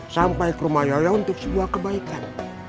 sampai ke rumah yoyo untuk sebuah kebaikan